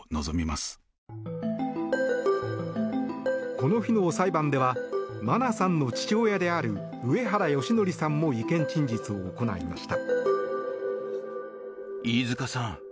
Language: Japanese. この日の裁判では真菜さんの父親である上原義教さんも意見陳述を行いました。